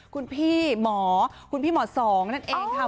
คุณพี่หมอคุณพี่หมอสองนั่นเองค่ะ